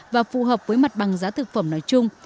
và phù hợp với mặt bằng giá thực phẩm nói chung